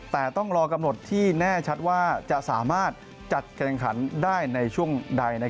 แต่ต้องรอกำหนดที่แน่ชัดว่าจะสามารถจัดแข่งขันได้ในช่วงใด